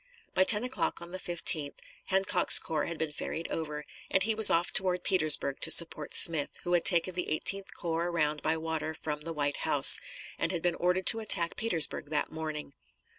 By ten o'clock on the 15th Hancock's corps had been ferried over, and he was off toward Petersburg to support Smith, who had taken the Eighteenth Corps around by water from the White House, and had been ordered to attack Petersburg that morning.